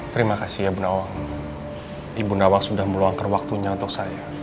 terima kasih ya bu nawang ibu nawang sudah meluangkan waktunya untuk saya